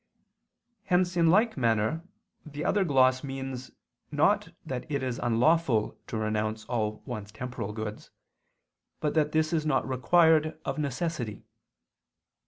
Hence in like manner the other gloss means not that it is unlawful to renounce all one's temporal goods, but that this is not required of necessity.